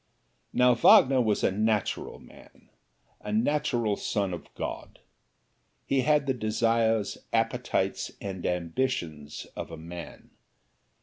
Now Wagner was a natural man a natural son of God. He had the desires, appetites and ambitions of a man.